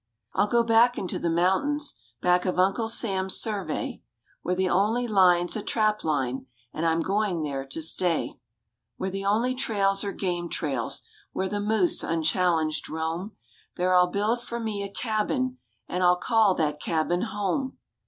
I'll go back into the mountains, Back of Uncle Sam's survey, Where the only line's a trap line, And I'm going there to stay; Where the only trails are game trails, Where the moose unchallenged roam, There I'll build for me a cabin And I'll call that cabin "home."